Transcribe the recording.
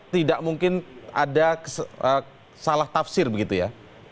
tidak mungkin ada salah tafsir begitu ya